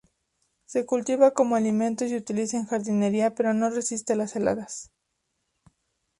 Se cultiva como alimento y se utiliza en jardinería pero no resiste las heladas.